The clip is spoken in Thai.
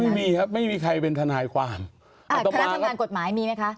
ไม่มีครับไม่มีใครเป็นทนายความทำงานกฎหมายมีไหมคะ